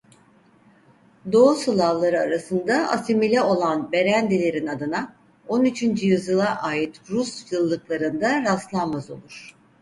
Doğu Slavları arasında asimile olan Berendilerin adına on üçüncü yüzyıla ait Rus yıllıklarında rastlanmaz olur.